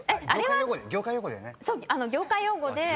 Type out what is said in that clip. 業界用語だよね？